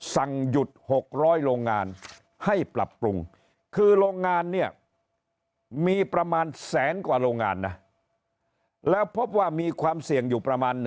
สั่งหยุด๖๐๐โรงงานให้ปรับปรุงคือโรงงานเนี่ยมีประมาณแสนกว่าโรงงานนะแล้วพบว่ามีความเสี่ยงอยู่ประมาณ